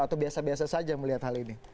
atau biasa biasa saja melihat hal ini